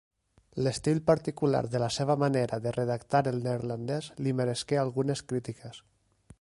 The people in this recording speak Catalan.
L'estil particular de la seva manera de redactar el neerlandès li meresqué algunes crítiques.